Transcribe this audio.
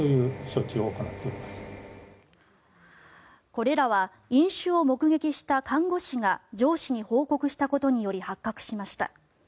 これらは飲酒を目撃した看護師が上司に報告したことにより発覚しました。